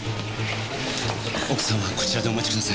奥さんはこちらでお待ちください。